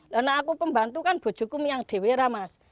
karena aku pembantu kan bujukum yang dewera mas